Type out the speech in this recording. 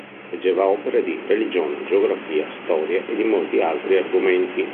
Leggeva opere di religione, geografia, storia e di molti altri argomenti.